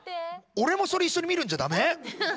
俺もそれ一緒に見るんじゃダメ？